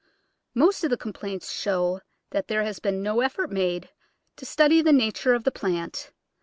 Most of the complaints show that there has been no effort made to study the nature of the plant.